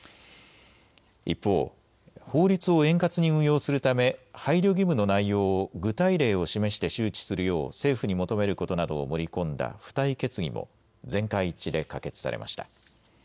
一方、法律を円滑に運用するため配慮義務の内容を具体例を示して周知するよう政府に求めることなどを盛り込んだ付帯決議も全会一致で可決されました。